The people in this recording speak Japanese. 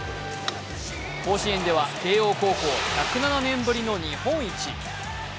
甲子園では慶応高校１０７年ぶりの日本一。